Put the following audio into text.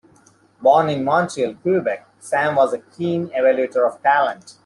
Born in Montreal, Quebec, Sam was a keen evaluator of talent.